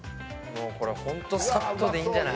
これホントさっとでいいんじゃない？